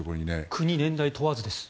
国、年代問わずです。